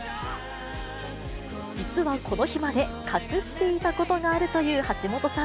実はこの日まで隠していたことがあるという橋本さん。